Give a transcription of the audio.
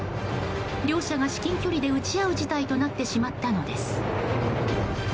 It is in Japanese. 両者が至近距離で撃ち合う事態となってしまったのです。